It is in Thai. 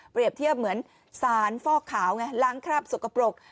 เทียบเหมือนสารฟอกขาวไงล้างคราบสกปรก